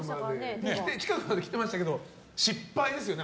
近くまで来てましたけどあれこそ失敗ですよね。